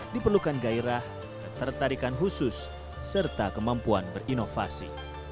diperlukan gairah ketertarikan khusus serta kemampuan berinovasi